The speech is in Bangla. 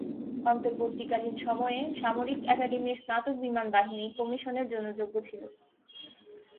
অন্তর্বর্তীকালীন সময়ে, সামরিক একাডেমীর স্নাতক বিমান বাহিনী কমিশনের জন্য যোগ্য ছিল।